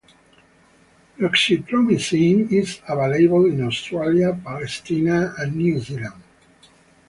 Roxithromycin is available in Australia, Israel and New Zealand.